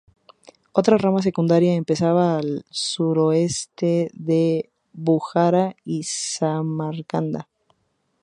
Otra rama secundaria empezaba al oeste de Bujara y Samarcanda.